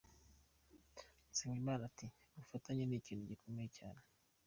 Nsengimana ati “ Ubufatanye, ni ikintu gikomeye cyane.